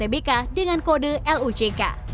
bk dengan kode luck